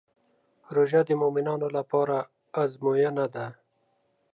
روژه د مؤمنانو لپاره ازموینه ده.